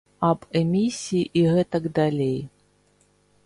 Аб эмісіі і гэтак далей.